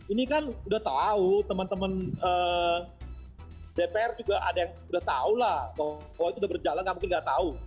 ini kan sudah tahu teman teman dpr juga ada yang sudah tahulah kalau itu sudah berjalan tidak mungkin tidak tahu